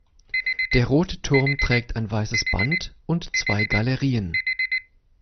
Der rote Turm trägt ein weißes Band und zwei Galerien.